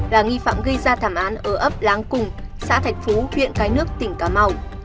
là nghi phạm gây ra thảm án ở ấp láng cùng xã thạch phú huyện cái nước tỉnh cà mau